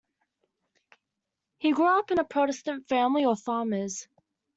He grew up in a Protestant family of farmers.